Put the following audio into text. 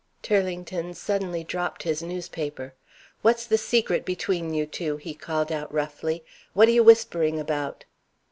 Turlington suddenly dropped his newspaper. "What's the secret between you two?" he called out roughly. "What are you whispering about?"